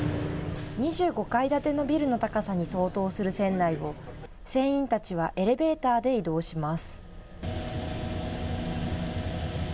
２５階建てのビルの高さに相当する船内を船員たちはエレベーターで移動します。